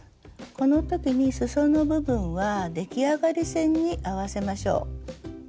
この時にすその部分は出来上がり線に合わせましょう。